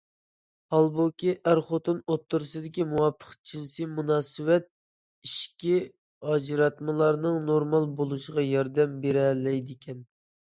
ھالبۇكى، ئەر- خوتۇن ئوتتۇرىسىدىكى مۇۋاپىق جىنسىي مۇناسىۋەت ئىچكى ئاجراتمىلارنىڭ نورمال بولۇشىغا ياردەم بېرەلەيدىكەن.